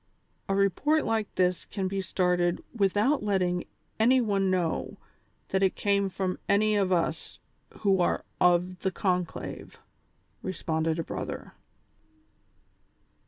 A report like this can be started with out letting any one know that it came from any of us who are of the conclave," responded a brother.